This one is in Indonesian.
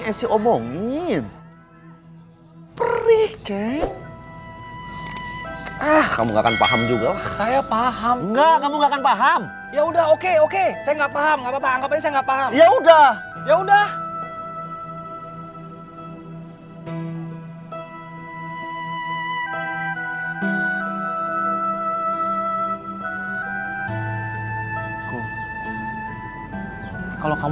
eh ternyata ada enggak